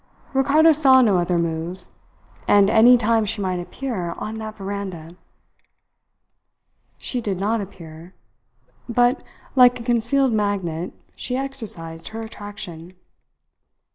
Ricardo saw no other move. And any time she might appear on that veranda! She did not appear; but, like a concealed magnet, she exercised her attraction.